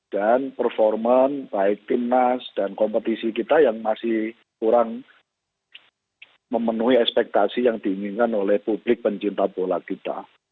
dan performa baik timnas dan kompetisi kita yang masih kurang memenuhi ekspektasi yang diinginkan oleh publik pencinta bola kita